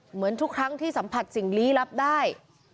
เหมือนทุกครั้งที่สัมผัสสิ่งลี้ลับได้